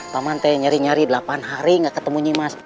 paman nyari nyari delapan hari nggak ketemu nimas